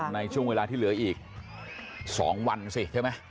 ในช่วงเวลาที่เหลืออีก๒วันสิใช่ไหม